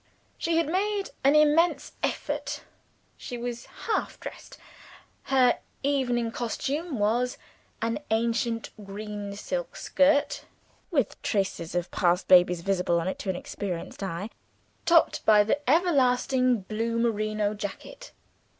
She had made an immense effort she was half dressed. Her evening costume was an ancient green silk skirt (with traces of past babies visible on it to an experienced eye), topped by the everlasting blue merino jacket.